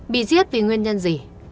bị giết vì nguyên nhân gì